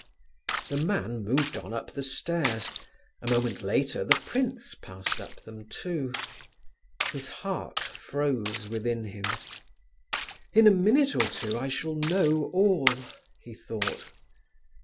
The man moved on up the stairs; a moment later the prince passed up them, too. His heart froze within him. "In a minute or two I shall know all," he thought.